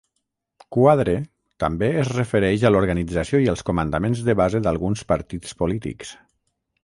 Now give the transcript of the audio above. Quadre també es refereix a l'organització i els comandaments de base d'alguns partits polítics.